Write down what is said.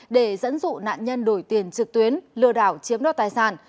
để dẫn dụ nạn nhân đổi tiền trực tuyến lừa đảo chiếm đoạt tài sản